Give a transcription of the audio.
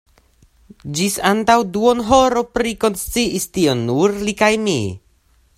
Ĝis antaŭ duonhoro prikonsciis tion nur li kaj mi.